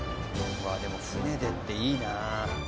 でも船でっていいなあ。